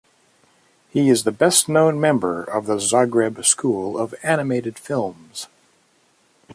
He is the best known member of the Zagreb school of animated films.